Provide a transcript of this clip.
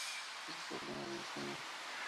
Es un problema de diseño.